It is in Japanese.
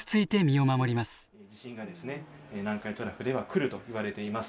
地震がですね南海トラフでは来るといわれています。